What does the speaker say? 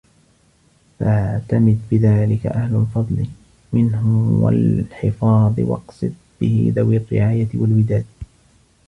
فَاعْتَمِدْ بِذَلِكَ أَهْلَ الْفَضْلِ مِنْهُمْ وَالْحِفَاظِ وَاقْصِدْ بِهِ ذَوِي الرِّعَايَةِ وَالْوِدَادِ